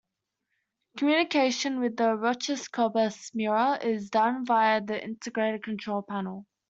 Communication with the Roche Cobas Mira is done via the integrated control panel.